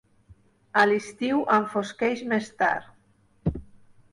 A l'estiu enfosqueix més tard.